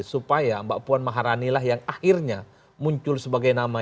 supaya mbak puan maharani lah yang akhirnya muncul sebagai nama